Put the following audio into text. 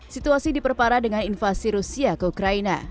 situasi diperparah dengan invasi rusia ke ukraina